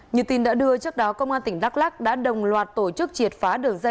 như tin đã đưa trước đó công an tỉnh đắk lắc đã đồng loạt tổ chức triệt phá đường dây